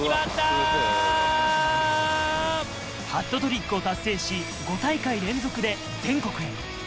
ハットトリックを達成し５大会連続で全国へ。